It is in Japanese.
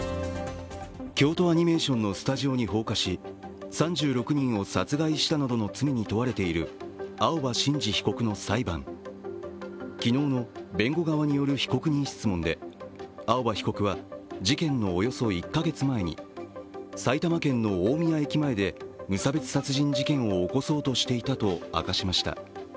京都アニメーションのスタジオに放火し３６人を殺害したなどの罪に問われている青葉真司被告の裁判、昨日の弁護側による被告人質問で青葉被告は事件のおよそ１か月前に埼玉県の大宮駅前で無差別殺人事件を起こそうとしていたと明かしました。